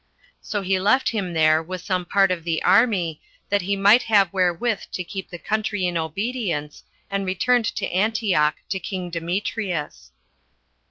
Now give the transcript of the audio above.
So he left him there, with some part of the army, that he might have wherewith to keep the country in obedience and returned to Antioch to king Demetrius.